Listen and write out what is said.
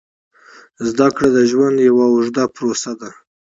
زده کړه د ژوند یوه اوږده پروسه ده.